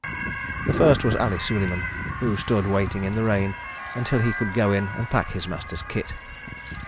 The first was Ali Suleiman, who stood waiting in the rain, until he could go in and pack his master's kit.